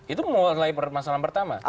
itu mulai masalah pertama